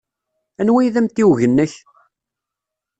Anwa ay d amtiweg-nnek?